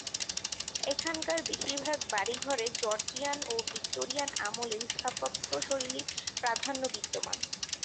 এখানকার বেশিরভাগ বাড়ি-ঘরে জর্জিয়ান ও ভিক্টোরিয়ান আমলের স্থাপত্যশৈলীর প্রাধান্য বিদ্যমান।